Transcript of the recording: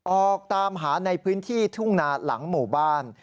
ออกตามหาในพื้นที่ทุ่งนาหลังหมู่บ้าน